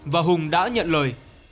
và hùng đã nhận lời